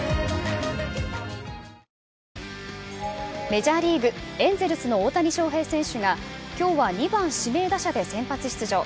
メジャーリーグ・エンゼルスの大谷翔平選手が、きょうは２番指名打者で先発出場。